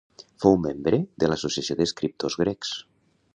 Fou membre de l'Associació d'Escriptors Grecs.